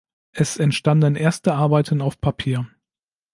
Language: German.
Es entstanden erste Arbeiten auf Papier.